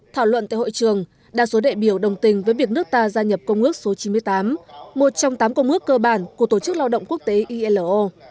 thảo luận tại hội trường đa số đại biểu đồng tình với việc nước ta gia nhập công ước số chín mươi tám một trong tám công ước cơ bản của tổ chức lao động quốc tế ilo